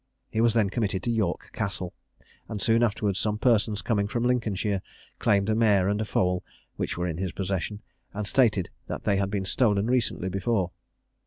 He was then committed to York Castle; and soon afterwards some persons coming from Lincolnshire, claimed a mare and a foal, which were in his possession, and stated that they had been stolen recently before.